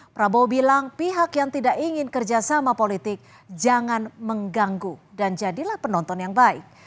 prabowo bilang pihak yang tidak ingin kerjasama politik jangan mengganggu dan jadilah penonton yang baik